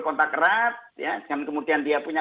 kontak erat dan kemudian dia punya